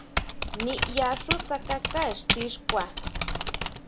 ʼNiʼyaxú tsákaká ixti xkua.